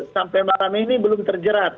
sampai malam ini belum terjerat